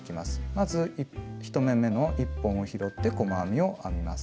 まず１目めの１本を拾って細編みを編みます。